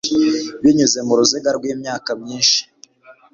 Binyuze mu ruziga rwimyaka myinshi